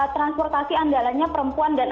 transportasi andalanya perempuan dan